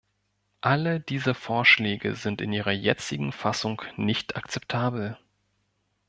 Alle diese Vorschläge sind in ihrer jetzigen Fassung nicht akzeptabel.